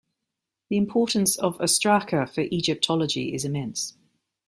The importance of ostraca for Egyptology is immense.